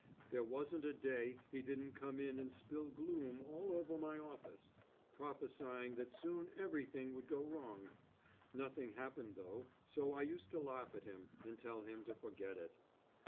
There wasn't a day, he didn't come in and spill gloom all over my office, prophesying that soon every thing would go wrong. Nothing happened though, so I used to laugh at him, and tell him to forget it.